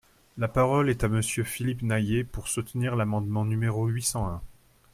La parole est à Monsieur Philippe Naillet, pour soutenir l’amendement numéro huit cent un.